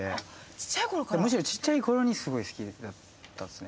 むしろちっちゃい頃にすごい好きだったんですね。